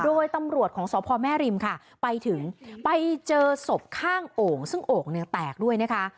โดยตำรวจของสพแม่ริมค่ะไปถึงไปเจอศพข้างโอ่งซึ่งโอ่งเนี่ยแตกด้วยนะคะ